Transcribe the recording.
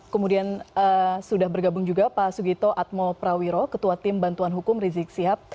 kemudian sudah bergabung juga pak sugito atmo prawiro ketua tim bantuan hukum rizik sihab